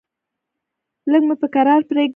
لږ مې په کرار پرېږده!